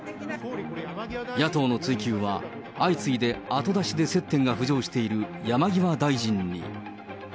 野党の追及は相次いで後出しで接点が浮上している山際大臣に。